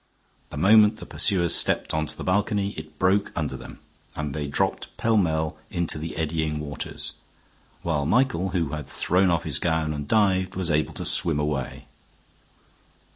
The moment the pursuers stepped on to the balcony it broke under them, and they dropped pell mell into the eddying waters, while Michael, who had thrown off his gown and dived, was able to swim away.